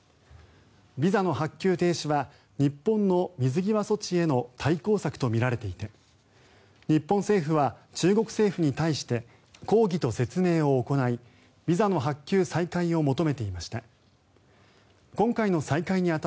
ビザの発給停止は日本の水際措置への対抗策とみられていて日本政府は中国政府に対して抗議と説明を行いビザの発給再開を求めていました。